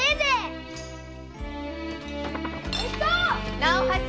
直八！